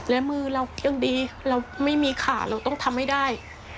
และมือเรายังดีเราไม่มีขาเราต้องทำให้ได้